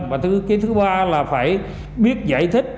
và cái thứ ba là phải biết giải thích